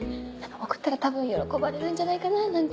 贈ったら多分喜ばれるんじゃないかななんて。